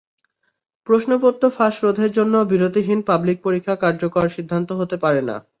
প্রশ্নপত্র ফাঁস রোধের জন্য বিরতিহীন পাবলিক পরীক্ষা কার্যকর সিদ্ধান্ত হতে পারে না।